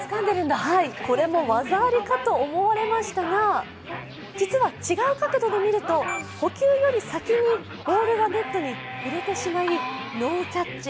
これも技ありかと思われましたが実は違う角度で見ると捕球より先にボールがネットに触れてしまいノーキャッチ。